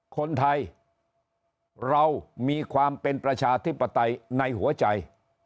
คนไทยเรามีความเป็นประชาธิปไตยในหัวใจ